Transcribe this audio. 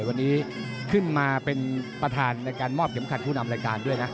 วันนี้ขึ้นมาเป็นประธานในการมอบเข็มขัดผู้นำรายการด้วยนะ